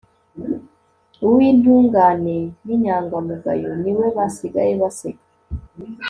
uw'intungane n'inyangamugayo, ni we basigaye baseka